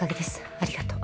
ありがとう。